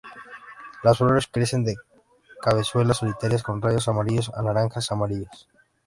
Las flores crecen en cabezuelas solitarias con rayos amarillos a naranja amarillos.